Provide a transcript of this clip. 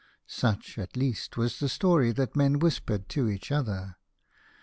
Such, at least, was the story that men whispered to each other.